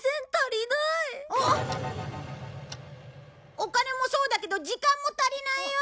お金もそうだけど時間も足りないよ！